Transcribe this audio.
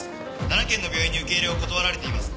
７軒の病院に受け入れを断られています。